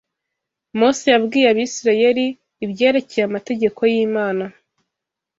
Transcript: Mose yabwiye Abisirayeli ibyerekeye amategeko y’Imana